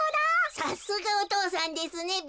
さすがおとうさんですねべ。